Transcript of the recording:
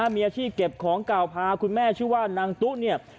มีอาชีพเก็บของเก่าพาคุณแม่ชื่อว่านางตุ๊เนี่ย